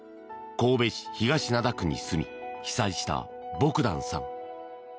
神戸市東灘区に住み被災したボグダンさん。